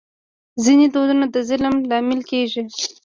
ځینې دودونه د ظلم لامل کېږي.